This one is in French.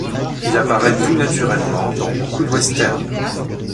Il apparaît tout naturellement dans beaucoup de westerns.